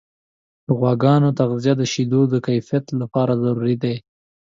د غواګانو تغذیه د شیدو د کیفیت لپاره ضروري ده.